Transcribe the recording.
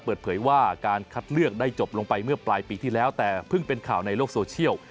เปิดเผยว่าการคัดเลือกได้จบลงไปเมื่อปลายปีที่แล้วแต่เพิ่งเป็นข่าวในโลกโซเชียล